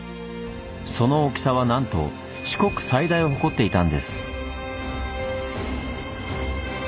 その大きさはなんと四国最大を誇っていたんです。